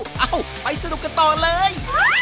เอ้าไปสนุกกันต่อเลย